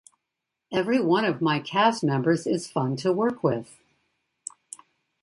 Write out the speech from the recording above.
Every one of my cast members is fun to work with.